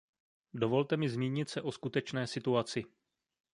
Dovolte mi zmínit se o skutečné situaci.